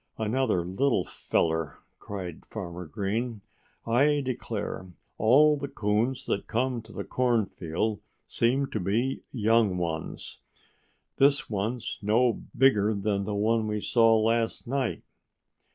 "Another little feller!" cried Farmer Green. "I declare, all the coons that come to the cornfield seem to be young ones. This one's no bigger than the one we saw last night."